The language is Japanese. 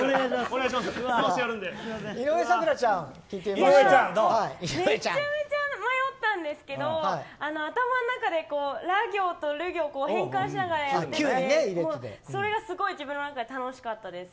めちゃめちゃ迷ったんですけど頭の中でラ行を変換しながらそれが一番自分の中で楽しかったです。